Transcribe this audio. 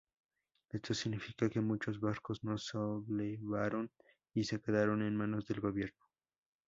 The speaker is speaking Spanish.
Esto significó que muchos barcos no se sublevaron y quedaron en manos del gobierno.